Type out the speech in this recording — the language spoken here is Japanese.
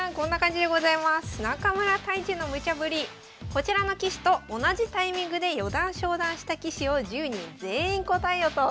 こちらの棋士と同じタイミングで四段昇段した棋士を１０人全員答えよと。